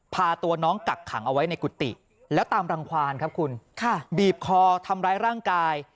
พาตัวน้องกักขังเอาไว้ในกุฏิแล้วตามรังความครับคุณค่ะบีบคอทำร้ายร่างกาย